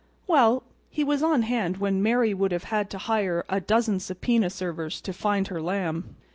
Well, he was on hand when Mary would have had to hire a dozen subpoena servers to find her lamb.